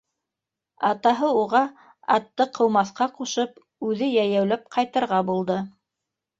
Атаһы уға атты ҡыумаҫҡа ҡушып, үҙе йәйәүләп ҡайтырға булды.